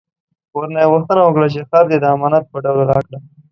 ورنه یې غوښتنه وکړه چې خر دې د امانت په ډول راکړه.